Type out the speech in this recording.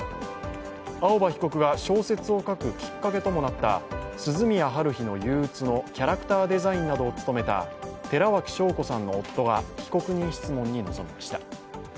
青葉被告が小説を書くきっかけともなった「涼宮ハルヒの憂鬱」のキャラクターデザインなどを務めた寺脇晶子さんの夫が被告人質問に臨みました。